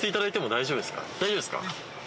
大丈夫ですか？